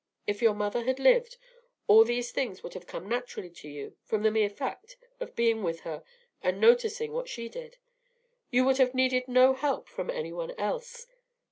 If your mother had lived, all these things would have come naturally to you from the mere fact of being with her and noticing what she did. You would have needed no help from any one else.